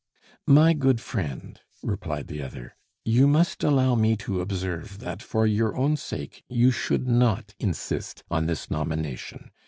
"My good friend," replied the other, "you must allow me to observe that, for your own sake, you should not insist on this nomination.